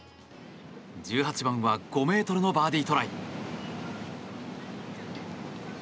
１８番は５ｍのバーディートライ。